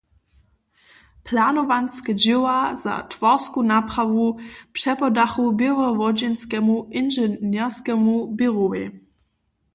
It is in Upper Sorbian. Planowanske dźěła za twarsku naprawu přepodachu Běłowodźanskemu inženjerskemu běrowej.